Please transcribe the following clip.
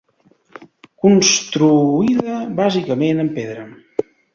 Construïda bàsicament amb pedra.